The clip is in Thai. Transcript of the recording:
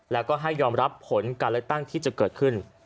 แล้วก็ให้ยอมรับผลการเลือกตั้งที่จะเกิดขึ้น